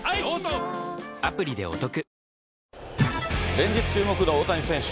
連日注目の大谷選手。